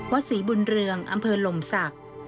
ศรีบุญเรืองอำเภอลมศักดิ์